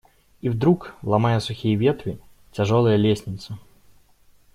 И вдруг, ломая сухие ветви, тяжелая лестница